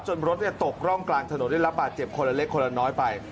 รถตกร่องกลางถนนได้รับบาดเจ็บคนละเล็กคนละน้อยไป